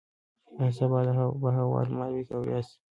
ایا سبا به هوا لمر وي که وریځ؟